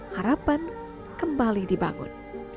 harapan kembali dibangun